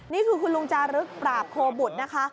นี่คือคุณลุงจารึกปราบโคบุตรนะคะ